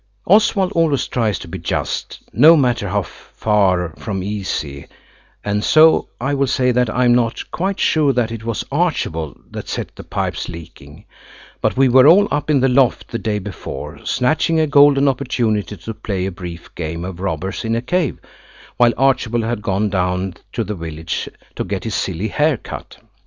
Oswald always tries to be just, no matter how far from easy, and so I will say that I am not quite sure that it was Archibald that set the pipes leaking, but we were all up in the loft the day before, snatching a golden opportunity to play a brief game of robbers in a cave, while Archibald had gone down to the village to get his silly hair cut.